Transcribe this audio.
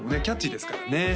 キャッチーですからね